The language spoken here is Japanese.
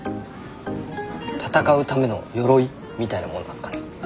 戦うための鎧みたいなもんなんすかね。